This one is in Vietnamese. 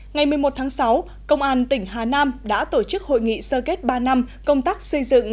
ngày một mươi một tháng sáu công an tỉnh hà nam đã tổ chức hội nghị sơ kết ba năm công tác xây dựng